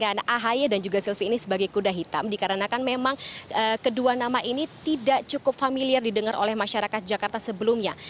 karena ahaye dan juga silvi ini sebagai kuda hitam dikarenakan memang kedua nama ini tidak cukup familiar didengar oleh masyarakat jakarta sebelumnya